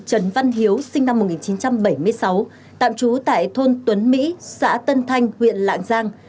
trần văn hiếu sinh năm một nghìn chín trăm bảy mươi sáu tạm trú tại thôn tuấn mỹ xã tân thanh huyện lạng giang